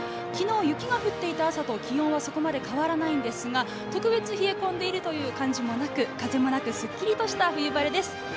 昨日、雪が降っていた朝と気温はそこまで変わらないんですが、特別冷え込んでいるという感じもなく、風もなく、すっきりとした冬晴れです。